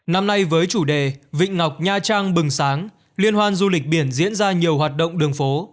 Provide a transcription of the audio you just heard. năm nay với chủ đề vịnh ngọc nha trang bừng sáng liên hoan du lịch biển diễn ra nhiều hoạt động đường phố